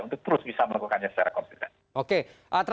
untuk terus bisa melakukannya secara konsisten